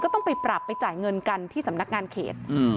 ต้องไปปรับไปจ่ายเงินกันที่สำนักงานเขต